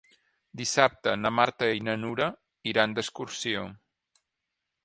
Dissabte na Marta i na Nura iran d'excursió.